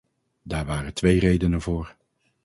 Daar waren twee redenen voor.